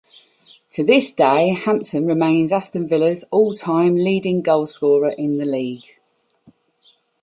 To this day Hampton remains Aston Villa's all-time leading goalscorer in the League.